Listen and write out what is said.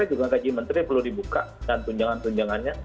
juga gaji menteri perlu dibuka dan tunjangan tunjangannya